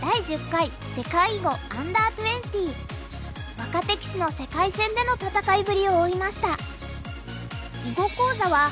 若手棋士の世界戦での戦いぶりを追いました。